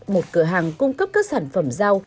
một cửa hàng cung cấp các sản phẩm rau